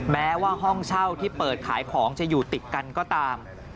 แม้ว่าห้องเช่าที่เปิดขายของจะอยู่ติดกันก็ตาม